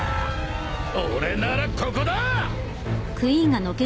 俺ならここだ！